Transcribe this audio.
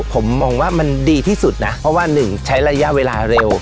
ผมมองว่ามันดีที่สุดนะเพราะว่าหนึ่งใช้ระยะเวลาเร็ว